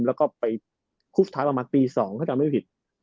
แล้วก็คู่จุดถาดประมาณปี๒ถ้าจำไม่ผิด